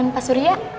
dengan pak surya